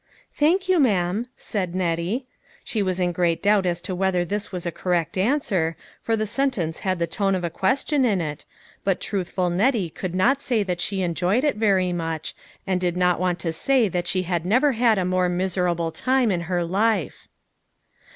" Thank you, ma'am," said Nettie. She was in great doubt as to whether this was a correct answer, for the sentence had the tone of a ques tion in it, but truthful Nettie could not say that she enjoyed it very much, and did not want to say that she had never had a more miserable time in her life.